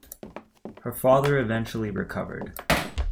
Her father eventually recovered.